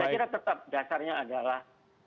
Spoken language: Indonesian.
saya kira tetap dasarnya adalah